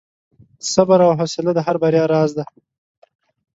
• صبر او حوصله د هرې بریا راز دی.